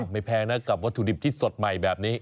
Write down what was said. แพงนะกับวัตถุดิบที่สดใหม่แบบนี้